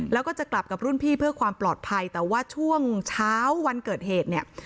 แล้วก็จะกลับกับรุ่นพี่เพื่อความปลอดภัยแต่ว่าช่วงเช้าวันเกิดเหตุเนี่ย